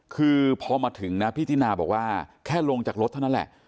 คือพอมาถึงนะพี่ตินาบอกว่าแค่ลงจากรถเท่านั้นแหละ